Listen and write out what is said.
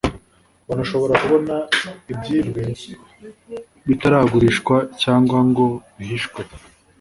banashobora kubona ibyibwe bitaragurishwa cyangwa ngo bihishwe